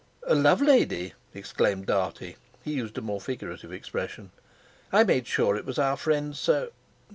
"A love lady!" exclaimed Dartie—he used a more figurative expression. "I made sure it was our friend Soa...."